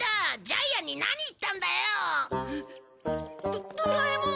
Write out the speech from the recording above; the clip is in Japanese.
ドドラえもん